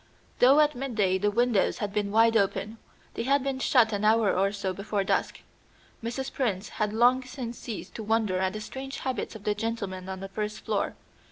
Though at midday the windows had been wide open, they had been shut an hour or so before dusk. Mrs. Prince had long since ceased to wonder at the strange habits of the gentlemen on the first floor.